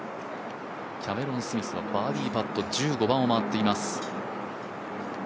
キャメロン・スミスのバーディーパット１５番を回っています。